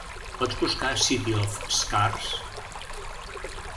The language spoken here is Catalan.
Pots buscar "City of Scars"?